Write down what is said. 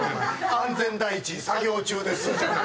安全第一作業中です。